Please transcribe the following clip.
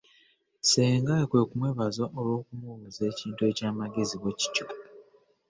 Ssengaawe kwe kumwebaza olw'okumubuuza ekintu ekyamagezi bwekityo.